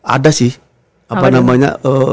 ada sih apa namanya